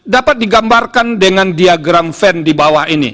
dapat digambarkan dengan diagram van di bawah ini